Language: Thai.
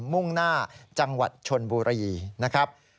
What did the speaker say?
มุ่งหน้าจังหวัดชนบุรีนะครับ